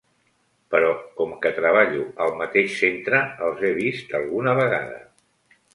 Però com que treballo al mateix centre, els he vist alguna vegada.